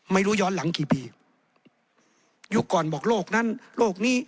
ไม่รู้ย้อนหลังกี่ปียุคก่อนบอกโรคนั้นโรคนี้